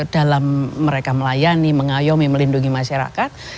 dalam mereka melayani mengayomi melindungi masyarakat